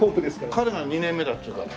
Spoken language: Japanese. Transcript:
彼が２年目だっていうから。